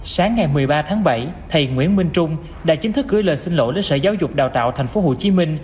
sáng ngày một mươi ba tháng bảy thầy nguyễn minh trung đã chính thức gửi lời xin lỗi đến sở giáo dục đào tạo tp hcm